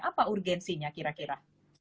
apa urgensinya kira kira